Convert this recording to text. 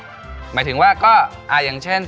หมายถึงว่าก็อย่างเช่น